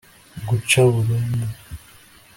guca burundu